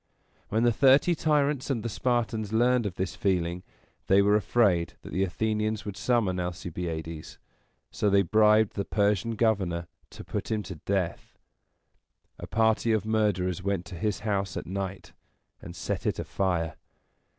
When the Thirty Tyrants and the Spartans learned of this feeling, they were afraid that the Athenians would summon Alcibiades, so they bribed the Persian governor to put him to death. A party of murderers went to his house at night, and set it afire.